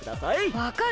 わかる？